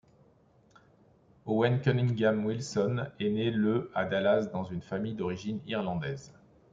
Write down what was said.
Owen Cunningham Wilson est né le à Dallas, dans une famille d'origine irlandaise.